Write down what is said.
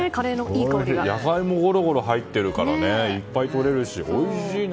野菜もごろごろ入ってるからいっぱい取れるし、おいしいな。